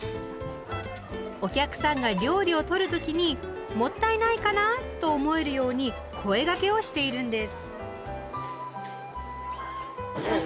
お客さんが料理を取る時に「もったいない」かな？と思えるように声がけをしているんです。